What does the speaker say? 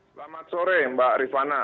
selamat sore mbak rifana